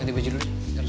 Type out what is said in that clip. ganti baju dulu kerja